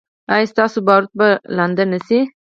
ایا ستاسو باروت به لوند نه شي؟